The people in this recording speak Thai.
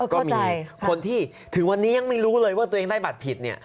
ก็มีคนที่ถึงวันนี้ยังไม่รู้เลยว่าตัวเองได้บัตรผิดเนี่ย